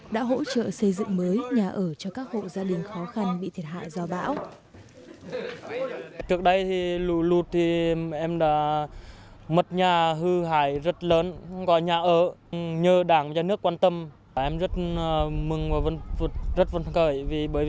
đã hỗ trợ xây dựng mới nhà ở cho các hộ gia đình khó khăn bị thiệt hại do bão